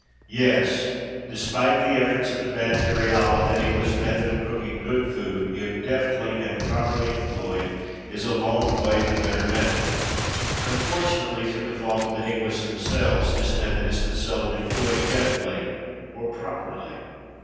Yes despite the efforts of the bad fairy Ala, the English method of cooking good food if deftly and properly employed is a long way the better method. Unfortunately, through the fault of the English themselves, this method is but seldom employed deftly or properly.